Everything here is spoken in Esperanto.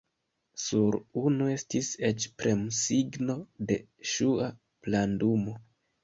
Sur unu estis eĉ premsigno de ŝua plandumo.